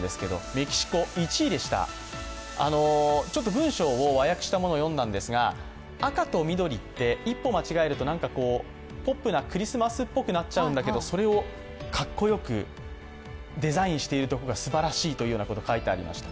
文章を和訳したものを読んだんですが、赤と緑って、一歩間違えるとポップなクリスマスっぽくなっちゃうんだけどそれをかっこよくデザインしているところがすばらしいと書いてありました。